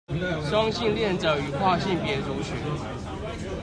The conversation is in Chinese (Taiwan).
雙性戀者與跨性別族群